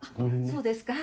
そうですか？